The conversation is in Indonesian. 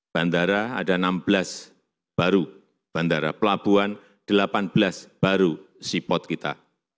bandara ada enam belas baru bandara pelabuhan delapan belas baru si pot kita